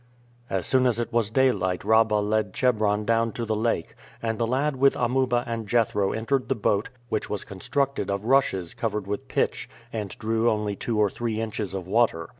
As soon as it was daylight Rabah led Chebron down to the lake, and the lad with Amuba and Jethro entered the boat, which was constructed of rushes covered with pitch and drew only two or three inches of water.